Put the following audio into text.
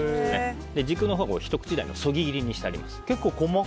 軸のほうはひと口大のそぎ切りにしてあります。